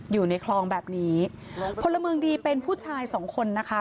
อยู่ในคลองแบบนี้พลเมืองดีเป็นผู้ชายสองคนนะคะ